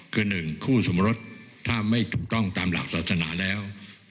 คือหนึ่งคู่สมรสถ้าไม่ถูกต้องตามหลักศาสนาแล้ว